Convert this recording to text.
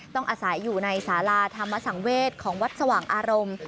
อาศัยอยู่ในสาราธรรมสังเวศของวัดสว่างอารมณ์